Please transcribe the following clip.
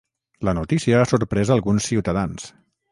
La notícia ha sorprès alguns ciutadans.